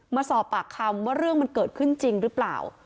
มาสอบปากคำว่าเรื่องมันเกิดขึ้นจริงหรือเปล่า